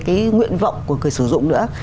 cái nguyện vọng của người sử dụng nữa